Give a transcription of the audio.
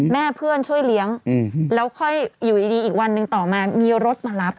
เพื่อนช่วยเลี้ยงแล้วค่อยอยู่ดีอีกวันหนึ่งต่อมามีรถมารับ